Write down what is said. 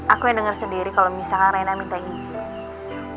aku yang denger sendiri kalau misalkan reina minta izin